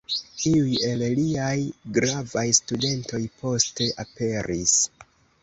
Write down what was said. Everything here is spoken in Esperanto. Iuj el liaj gravaj studentoj poste aperis.